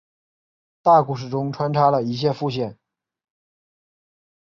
大故事中穿插了一些副线。